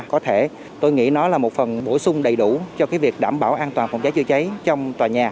có thể tôi nghĩ nó là một phần bổ sung đầy đủ cho việc đảm bảo an toàn phòng cháy chữa cháy trong tòa nhà